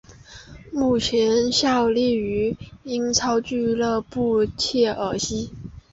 目前效力于英超俱乐部切尔西。